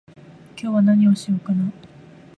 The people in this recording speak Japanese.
今日は何をしようかな